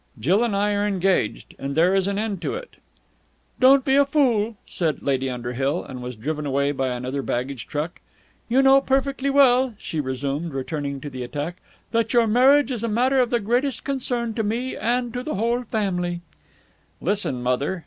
"Jill and I are engaged, and there is an end to it." "Don't be a fool," said Lady Underhill, and was driven away by another baggage truck. "You know perfectly well," she resumed, returning to the attack, "that your marriage is a matter of the greatest concern to me and to the whole of the family." "Listen, mother!"